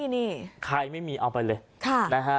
นี่ใครไม่มีเอาไปเลยนะฮะ